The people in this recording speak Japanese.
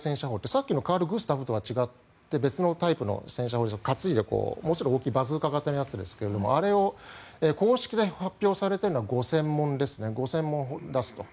さっきのカール・グスタフとは違って別のタイプの戦車砲担いでもちろん大きいバズーカ型のやつですがあれを公式で発表されているのは５０００門出すと。